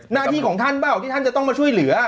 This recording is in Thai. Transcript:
หน้าที่ของท่านเปล่าที่ท่านจะต้องมาช่วยเหลือ